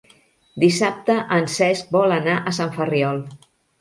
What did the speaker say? Dissabte en Cesc vol anar a Sant Ferriol.